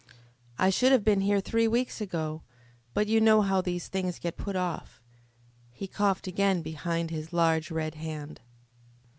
"I should have been here three weeks ago, but you know how these things get put off." He coughed again behind his large red hand.